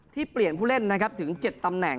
ที่เปลี่ยนผู้เล่นถึง๗ตำแหน่ง